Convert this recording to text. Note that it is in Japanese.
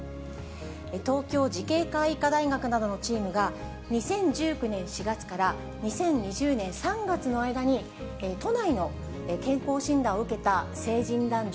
東京慈恵会医科大学などのチームが、２０１９年４月から２０２０年３月の間に都内の健康診断を受けた成人男女